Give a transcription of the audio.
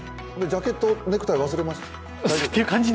ジャケット、ネクタイ忘れました？